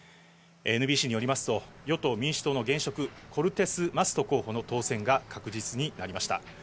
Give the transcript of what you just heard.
ＮＢＣによりますと、与党・民主党は現職コルテスマスト候補の当選が確実になりました。